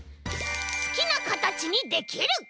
すきなかたちにできる！